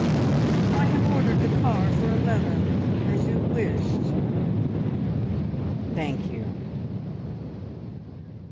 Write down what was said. "I have ordered the car for eleven, as you wished." "Thank you."